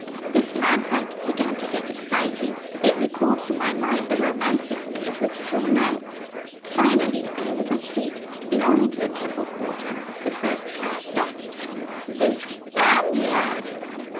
This man hunt began to get exciting. It recalled to my mind the romances in the Petit Journal. Finally, in a little street, belonging to the Temple Quarter, the first cab stopped." "The Spaniard?"